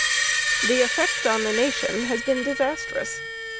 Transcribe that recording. The effect on the nation has been disastrous.